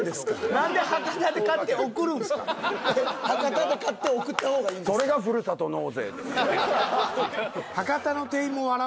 何で博多で買って送った方がいいんですか？